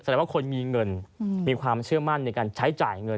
ว่าคนมีเงินมีความเชื่อมั่นในการใช้จ่ายเงิน